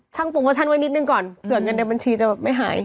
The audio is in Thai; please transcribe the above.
โปรโมชั่นไว้นิดนึงก่อนเผื่อเงินในบัญชีจะแบบไม่หาย